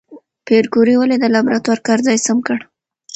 پېیر کوري ولې د لابراتوار کار ځای سم کړ؟